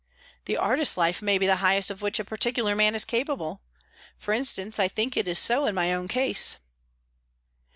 "The artist's life may be the highest of which a particular man is capable. For instance, I think it is so in my own case."